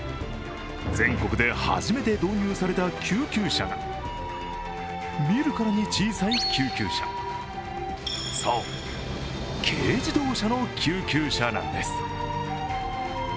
全国で初めて導入された救急車が見るからに小さい救急車、そう、軽自動車の救急車なんです。